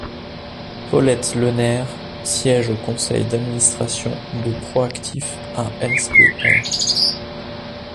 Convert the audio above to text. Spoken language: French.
Paulette Lenert siège au conseil d’administration de Proactif a.s.b.l.